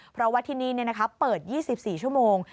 เพราะว่าที่นี่เปิด๒๔ชั่วโมง